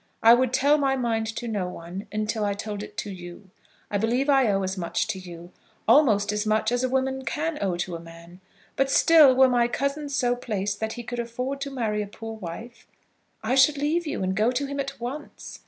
I would tell my mind to no one till I told it to you. I believe I owe as much to you, almost as much as a woman can owe to a man; but still, were my cousin so placed that he could afford to marry a poor wife, I should leave you and go to him at once.